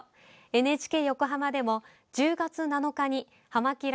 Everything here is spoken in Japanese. ＮＨＫ横浜でも、１０月７日に「はま☆キラ！」